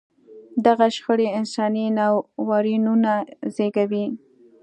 دغه شخړې انساني ناورینونه زېږوي.